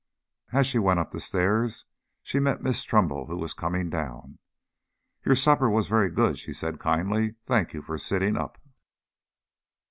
As she went up the stair, she met Miss Trumbull, who was coming down. "Your supper was very good," she said kindly. "Thank you for sitting up."